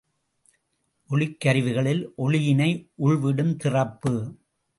ஒளிக்கருவிகளில் ஒளியினை உள்விடுந் திறப்பு.